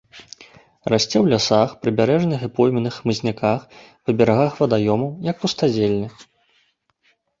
Расце ў лясах, прыбярэжных і пойменных хмызняках, па берагах вадаёмаў, як пустазелле.